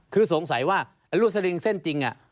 คือสงสัยว่ารวดสลิงเส้นจริง